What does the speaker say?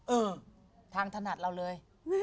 เออทางถนัดเราเลย